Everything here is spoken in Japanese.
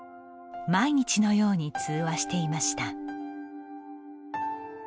毎日のように通話していました。